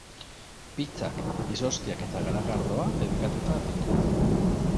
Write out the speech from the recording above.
Pizzak, izozkiak eta garagardoa debekatuta ditu.